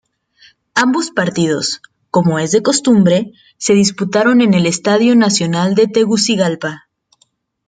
Ambos partidos -como es de costumbre- se disputaron en el Estadio Nacional de Tegucigalpa.